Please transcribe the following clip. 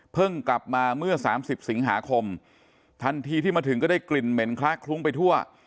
กลับมาเมื่อ๓๐สิงหาคมทันทีที่มาถึงก็ได้กลิ่นเหม็นคล้าคลุ้งไปทั่ว